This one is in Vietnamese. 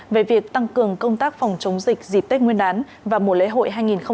về việc tăng cường công tác phòng chống dịch dịp tết nguyên đán và mùa lễ hội hai nghìn hai mươi bốn